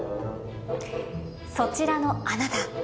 そちらのあなた。